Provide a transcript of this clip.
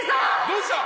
どうした？